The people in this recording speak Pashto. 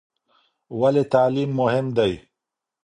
ولې تعلیم مهم دی؟